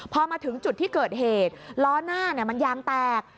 พอมาถึงจุดที่เกิดเหตุล้อหน้ามันยางแตก